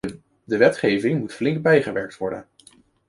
De wetgeving moet flink bijgewerkt worden.